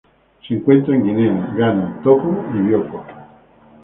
Se encuentra en Guinea, Ghana, Togo y Bioko.